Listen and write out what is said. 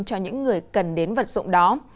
cho những người cần đến vật dụng đó